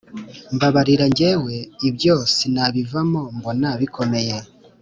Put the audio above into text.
Mbabarira njyewe ibyo sinabivamo mbona bikomeye